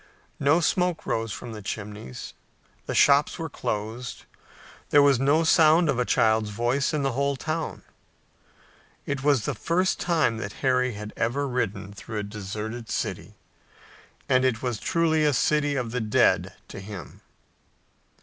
No smoke rose from the chimneys. The shops were closed. There was no sound of a child's voice in the whole town. It was the first time that Harry had ever ridden through a deserted city, and it was truly a city of the dead to him.